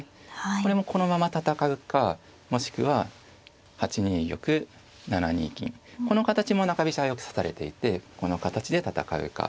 これもこのまま戦うかもしくは８二玉７二金この形も中飛車はよく指されていてこの形で戦うか。